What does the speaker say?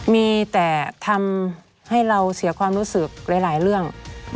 มีแต่ทำให้เราเสียความรู้สึกหลายเรื่อง